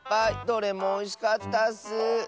どれもおいしかったッス。